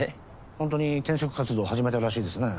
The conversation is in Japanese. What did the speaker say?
ほんとに転職活動始めたらしいですね。